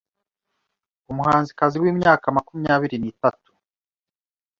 umuhanzikazi w’imyaka makumyabiri nitatu